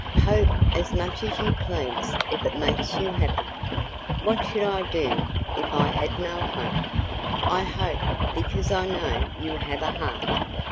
"Hope as much as you please, if it makes you happy." "What should I do, if I had no hope? I hope, because I know you have a heart."